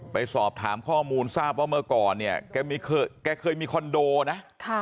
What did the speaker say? ไปสอบถามข้อมูลทราบเมื่อก่อนเกิดเคยมีคอนโดนะ